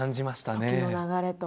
時の流れと。